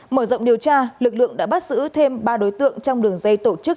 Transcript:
mở rộng điều tra lực lượng đã bắt giữ thêm ba đối tượng trong đường dây tổ chức